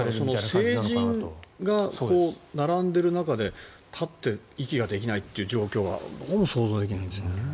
成人が並んでる中で立って、息ができないって状況は想像できないんですよね。